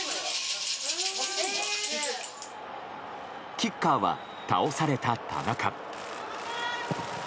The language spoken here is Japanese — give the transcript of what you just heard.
キッカーは倒された田中。